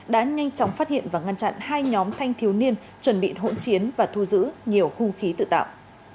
đã nhanh chóng phát hiện và ngăn chặn hai nhóm thanh thiếu niên chuẩn bị hỗn chiến và thu giữ nhiều hung khí tự tạo